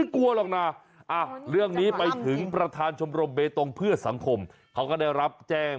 ก็ดูมันกลัวที่ไหน